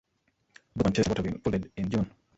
Both Manchester and Waterville folded in June.